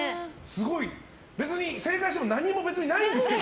別に正解しても何もないんですけど。